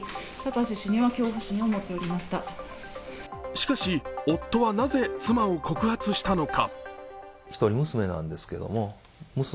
しかし、夫はなぜ妻を告発したのか？